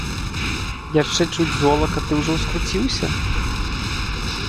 Яшчэ чуць золак, а ты ўжо ўскруцiўся?